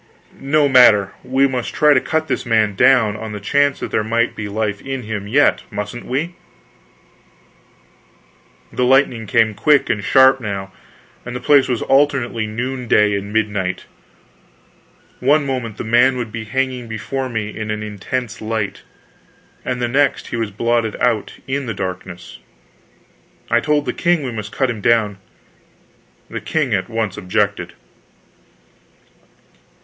No matter, we must try to cut this man down, on the chance that there might be life in him yet, mustn't we? The lightning came quick and sharp now, and the place was alternately noonday and midnight. One moment the man would be hanging before me in an intense light, and the next he was blotted out again in the darkness. I told the king we must cut him down. The king at once objected.